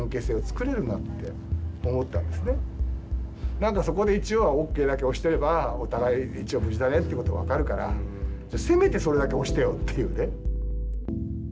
何かそこで一応はＯＫだけ押してればお互い一応無事だねってことが分かるからせめてそれだけ押してよっていうね。